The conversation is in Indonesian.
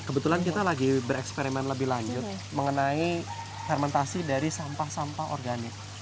kebetulan kita lagi bereksperimen lebih lanjut mengenai fermentasi dari sampah sampah organik